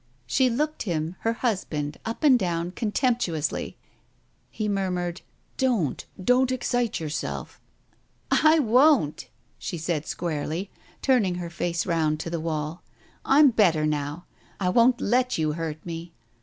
She looked him, her husband, up and down, contemptuously. He murmured: "Don't, don't excite yourself! " "I won't," she said squarely, turning her face round to the wall. "I'm better now. I won't let you hurt me.